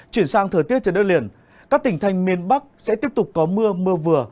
chuyển sang thời tiết trên đất liền các tỉnh thành miền bắc sẽ tiếp tục có mưa mưa vừa